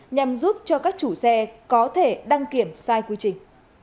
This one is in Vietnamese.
nhằm giúp cho các chủ xe có thể đăng kiểm sai quy trình